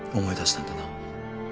思い出したんだな？